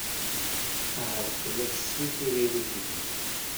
Ahat tella tessen tiririt-nni.